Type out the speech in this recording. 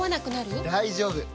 大丈夫！